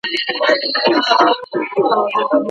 په لاس لیکل د پوهي د ترلاسه کولو تر ټولو ریښتیني لاره ده.